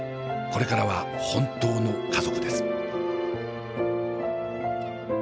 これからは本当の家族です。